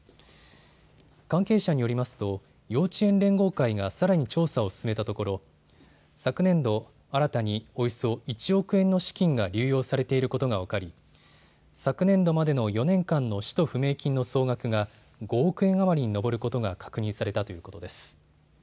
関係者によりますと幼稚園連合会がさらに調査を進めたところ昨年度、新たにおよそ１億円の資金が流用されていることが分かり、昨年度までの４年間の使途不明金の総額が５億円余りに上ることが確認されたということです。